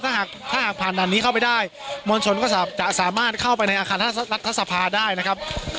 ถ้าหากถ้าหากผ่านด่านนี้เข้าไปได้มวลชนก็จะสามารถเข้าไปในอาคารรัฐสภาได้นะครับ